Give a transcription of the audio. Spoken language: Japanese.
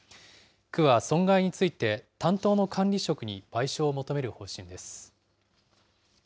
区は損害について担当の管理職に賠償を求める方針です。